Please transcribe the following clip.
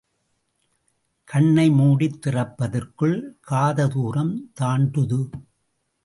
கண்ணை மூடித் திறப்பதற்குள் காத துாரம் தாண்டுது!